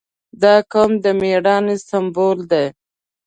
• دا قوم د مېړانې سمبول دی.